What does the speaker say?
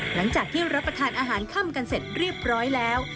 หลังจากที่รับประทานอาหารค่ำกันเสร็จเรียบร้อยแล้ว